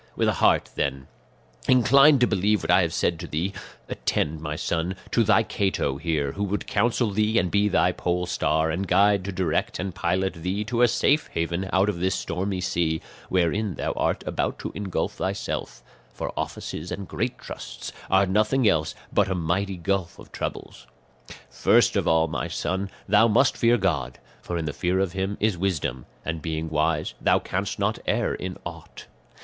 With a heart, then, inclined to believe what I have said to thee, attend, my son, to thy Cato here who would counsel thee and be thy polestar and guide to direct and pilot thee to a safe haven out of this stormy sea wherein thou art about to ingulf thyself; for offices and great trusts are nothing else but a mighty gulf of troubles. "First of all, my son, thou must fear God, for in the fear of him is wisdom, and being wise thou canst not err in aught.